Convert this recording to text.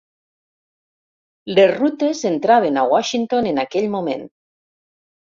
Les rutes entraven a Washington en aquell moment.